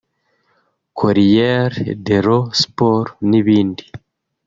Corriere dello Sport n’ibindi